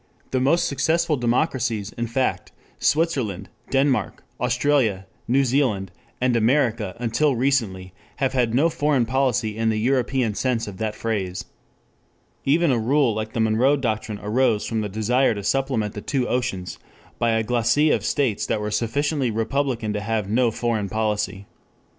The most successful democracies, in fact, Switzerland, Denmark, Australia, New Zealand, and America until recently, have had no foreign policy in the European sense of that phrase. Even a rule like the Monroe Doctrine arose from the desire to supplement the two oceans by a glacis of states that were sufficiently republican to have no foreign policy.